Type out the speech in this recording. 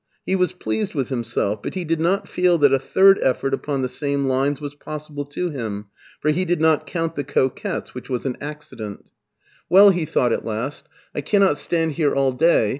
He was pleased with himself, but he did not feel that a third effort upon the same lines was possible to him, for he did not coimt " The Coquettes," which was an accident BERLIN 221 " Well/' he thought at last, " I cannot stand here all day.